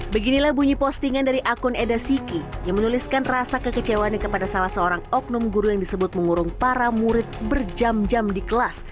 beginilah bunyi postingan dari akun eda siki yang menuliskan rasa kekecewaannya kepada salah seorang oknum guru yang disebut mengurung para murid berjam jam di kelas